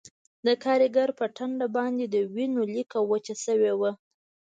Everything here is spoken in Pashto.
د کارګر په ټنډه باندې د وینو لیکه وچه شوې وه